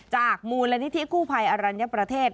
มูลนิธิกู้ภัยอรัญญประเทศ